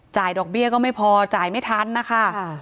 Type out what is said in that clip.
ดอกเบี้ยก็ไม่พอจ่ายไม่ทันนะคะ